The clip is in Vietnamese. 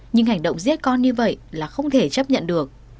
nhưng hành động giết con như vậy là không thể chấp nhận được